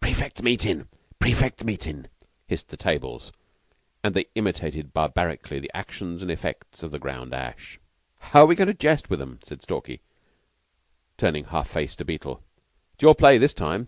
"Prefects' meetin'! Prefects' meetin'!" hissed the tables, and they imitated barbarically the actions and effects of the ground ash. "How are we goin' to jest with 'em?" said Stalky, turning half face to Beetle. "It's your play this time!"